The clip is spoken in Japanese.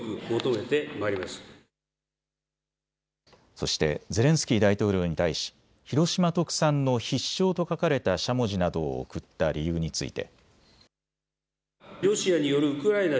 そしてゼレンスキー大統領に対し広島特産の必勝と書かれたしゃもじなどを送った理由について。